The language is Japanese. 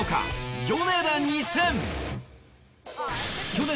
去年